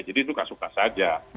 jadi suka suka saja